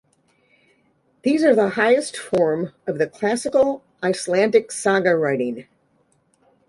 These are the highest form of the classical Icelandic saga writing.